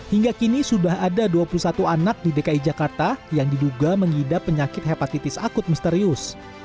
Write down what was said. hingga kini sudah ada dua puluh satu anak di dki jakarta yang diduga mengidap penyakit hepatitis akut misterius